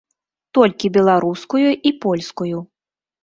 Толькі беларускую і польскую.